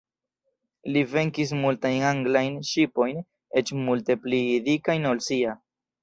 Li venkis multajn anglajn ŝipojn, eĉ multe pli dikajn ol sia.